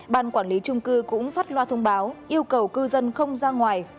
ban quản lý trung cư cũng phát loa thông báo yêu cầu cư dân không ra ngoài